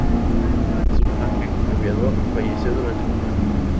Su padre, aviador, falleció durante la guerra.